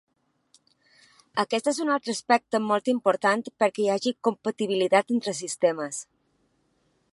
Aquest és un altre aspecte molt important perquè hi hagi compatibilitat entre sistemes.